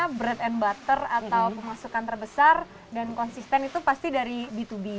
karena bread and butter atau pemasukan terbesar dan konsisten itu pasti dari b dua b